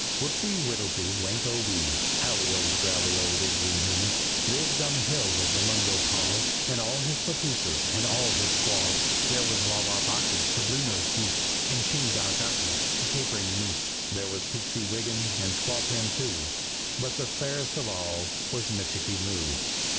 Whopsy Whittlesy Whanko Whee, Howly old growly old Indian he, Lived on the hill of the Mungo Paws, With all his pappooses and all his squaws. There was Wah wah bocky, the Blue nosed Goose, And Ching gach gocky, the Capering Moose; There was Peeksy Wiggin, and Squawpan too, But the fairest of all was Michikee Moo.